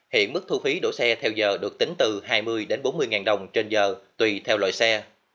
hiện mức thu phí đỗ xe theo giờ được tính từ hai mươi bốn mươi đồng trên giờ tùy theo loại xe